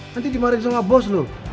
nanti dimarahin sama bos loh